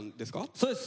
そうです。